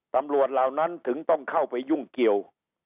เหล่านั้นถึงต้องเข้าไปยุ่งเกี่ยว